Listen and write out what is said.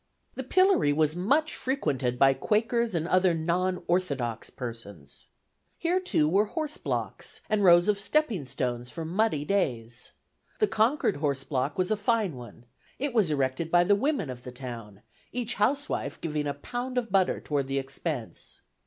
The pillory was much frequented by Quakers and other non orthodox persons. Here, too, were horse blocks, and rows of stepping stones for muddy days. The Concord horse block was a fine one; it was erected by the women of the town, each housewife giving a pound of butter toward the expense.